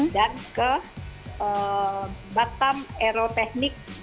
dan ke batam aerotechnics